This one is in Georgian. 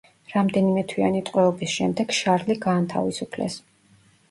რამდენიმეთვიანი ტყვეობის შემდეგ შარლი გაანთავისუფლეს.